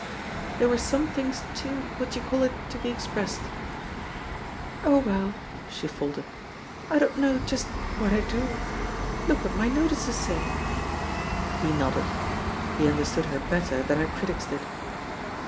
"There were some things too what d'ye <5all it to be expressed 1'^ "Oh, well," she faltered, "I don't know just what I do. Look what my notices say I" He nodded. He understood her better than her critics did.